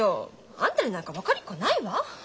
あんたになんか分かりっこないわ。